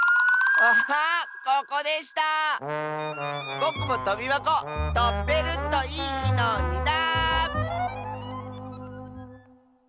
ぼくもとびばことべるといいのにな！